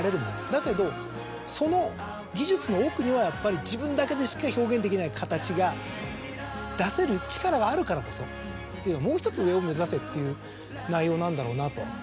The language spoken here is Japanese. だけどその技術の多くにはやっぱり自分だけでしか表現できない形が出せる力があるからこそもう１つ上を目指せっていう内容なんだろうなと。